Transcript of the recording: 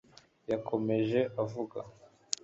Yakomeje avuga